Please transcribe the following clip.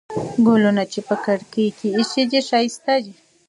ګلونه چې په کړکۍ کې ایښي دي، ښایسته دي.